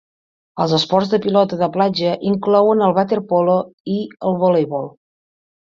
Els esports de pilota de platja inclouen el waterpolo i el voleibol.